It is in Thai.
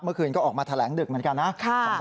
เมื่อคืนก็ออกมาแถลงดึกเหมือนกันนะ